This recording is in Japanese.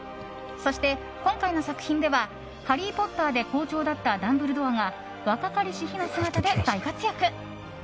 そして今回の作品では「ハリー・ポッター」で校長だったダンブルドアが若かりし日の姿で大活躍。